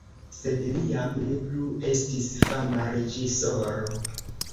Sed li jam ne plu estis fama reĝisoro.